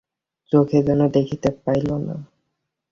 চোখে যেন দেখিতে পাইল না।